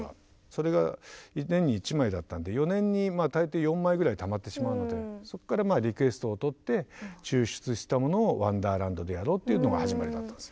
それが年に１枚だったので４年に大抵４枚ぐらいたまってしまうのでそこからまあリクエストをとって抽出したものをワンダーランドでやろうっていうのが始まりだったんですよ。